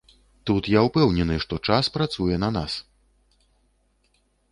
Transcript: Тут я ўпэўнены, што час працуе на нас.